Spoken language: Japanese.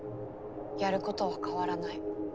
やることは変わらない。